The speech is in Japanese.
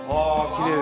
きれい。